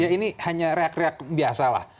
ini hanya reak reak biasa lah